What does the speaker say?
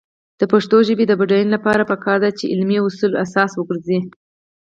د پښتو ژبې د بډاینې لپاره پکار ده چې علمي اصول اساس وګرځي.